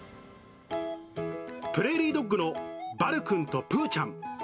プレーリードッグのバルくんとぷーちゃん。